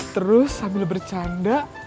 terus sambil bercanda